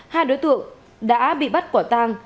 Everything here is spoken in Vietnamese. hai đối tượng đã bị bắt quả tăng